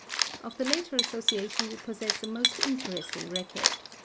Of the latter association we possess a most interesting record.